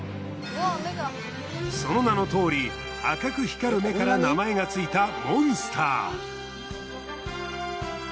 その名のとおり赤く光る目から名前がついたモンスター。